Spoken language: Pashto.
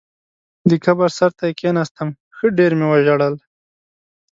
د قبر سر ته یې کېناستم، ښه ډېر مې وژړل.